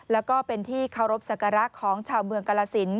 แล้วก็เป็นที่เคารพสักรักษ์ของเจ้าเมืองกราศิลป์